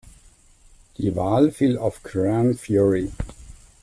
Die Wahl fiel auf Gran Fury.